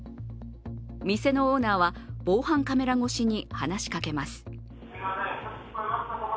店のオーナーは防犯カメラ越しに話しかけます。